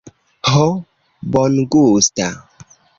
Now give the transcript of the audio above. Ho, bongusta.